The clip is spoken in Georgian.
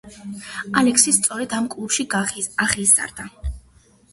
ალექსისი სწორედ ამ კლუბში აღიზარდა.